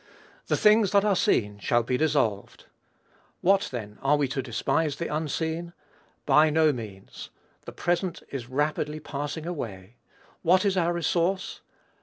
The things that are seen shall be dissolved. What, then, are we to despise the unseen? By no means. The present is rapidly passing away. What is our resource?